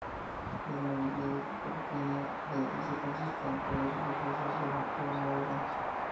El mobiliario que contiene la iglesia consiste en tallas religiosas de factura moderna.